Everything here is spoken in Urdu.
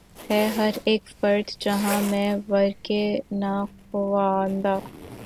ہے ہر اک فرد جہاں میں ورقِ ناخواندہ